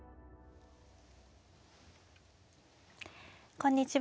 こんにちは。